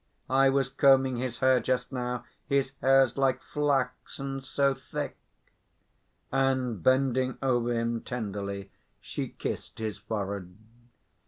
"I was combing his hair just now; his hair's like flax, and so thick...." And, bending over him tenderly, she kissed his forehead.